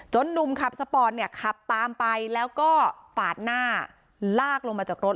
หนุ่มขับสปอร์ตเนี่ยขับตามไปแล้วก็ปาดหน้าลากลงมาจากรถ